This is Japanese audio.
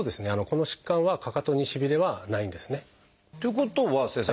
この疾患はかかとにしびれはないんですね。ということは先生